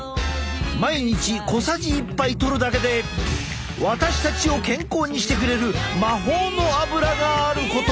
毎日小さじ１杯とるだけで私たちを健康にしてくれる魔法のアブラがあることを！